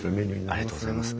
ありがとうございます。